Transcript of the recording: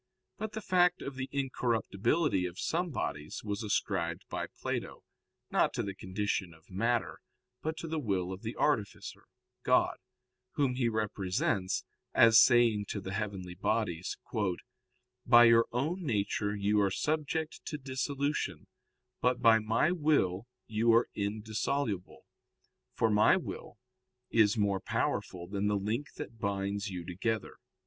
But the fact of the incorruptibility of some bodies was ascribed by Plato, not to the condition of matter, but to the will of the artificer, God, Whom he represents as saying to the heavenly bodies: "By your own nature you are subject to dissolution, but by My will you are indissoluble, for My will is more powerful than the link that binds you together."